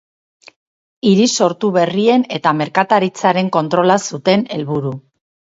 Hiri sortu berrien eta merkataritzaren kontrola zuten helburu.